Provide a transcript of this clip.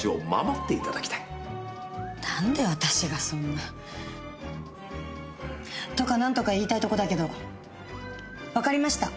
なんで私がそんな。とかなんとか言いたいとこだけどわかりました。